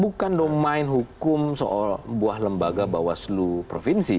bukan domain hukum sebuah lembaga bawah selu provinsi